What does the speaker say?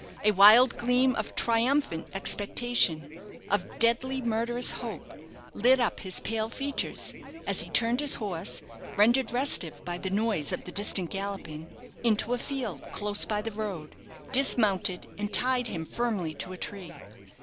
A wild gleam of triumphant expectation, of deadly murderous hope, lit up his pale features, as he turned his horse, rendered restive by the noise of the distant galloping, into a field, close by the road, dismounted, and tied him firmly to a tree.